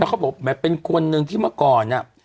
เขาบอกแบบเป็นคนหนึ่งที่เมื่อก่อน